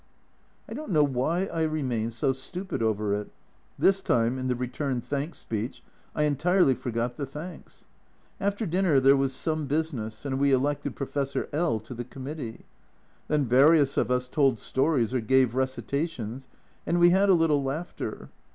I don't know why I remain so stupid over it ; this time in the return thanks speech I entirely forgot the thanks ! After dinner there was some business, and we elected Professor L to the Committee. Then various of us told stories or gave recitations, and we had a little laughter.